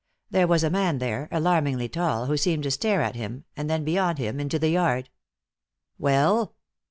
There was a man there, alarmingly tall, who seemed to stare at him, and then beyond him into the yard. "Well?"